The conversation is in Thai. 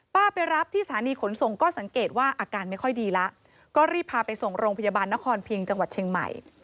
ไปรับที่สถานีขนส่งก็สังเกตว่าอาการไม่ค่อยดีแล้วก็รีบพาไปส่งโรงพยาบาลนครพิงจังหวัดเชียงใหม่